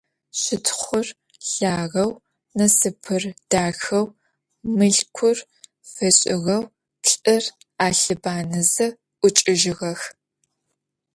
Щытхъур лъагэу, Насыпыр дахэу, Мылъкур фэшӏыгъэу, лӏыр алъыбанэзэ, ӏукӏыжьыгъэх.